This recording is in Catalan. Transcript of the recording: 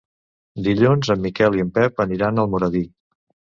Dilluns en Miquel i en Pep aniran a Almoradí.